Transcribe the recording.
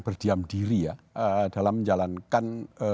berdiam diri ya dalam menjalankan